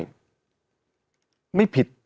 มันไม่ผิด